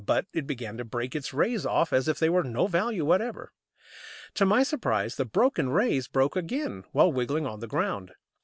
But it began to break its "rays" off as if they were of no value whatever. To my surprise, the broken "rays" broke again while wriggling on the ground.